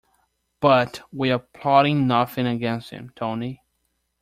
But we are plotting nothing against him, Tony.